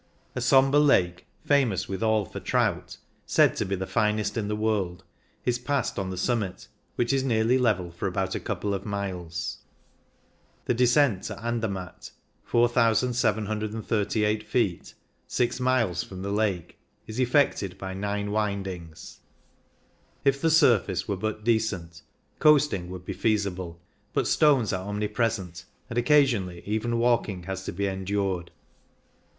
A sombre lake, famous withal for trout, said to be the finest in the world, is passed on the summit, which is nearly level for about a couple of miles. The descent to Andermatt (4,738 ft), six miles from the lake, is effected by nine windings. If the surface were but decent, coasting would be feasible, but stones are omnipresent, and occasionally even walking has to be en dured.